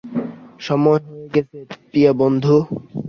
সময় হয়ে গেছে, প্রিয় বন্ধু।